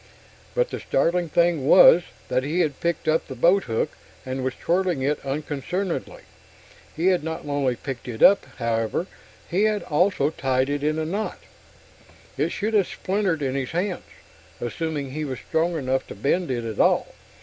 But the startling thing was that he had picked up the boathook and was twirling it unconcernedly. He had not only picked it up, however he had also tied it in a knot. It should have splintered in his hands, assuming he was strong enough to bend it at all.